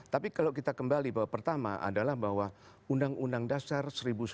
tapi kalau kita kembali bahwa pertama adalah bahwa undang undang dasar seribu sembilan ratus empat puluh lima